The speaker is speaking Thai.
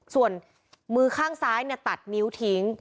ส่วนมือข้างซ้ายตัดนิ้วทิ้ง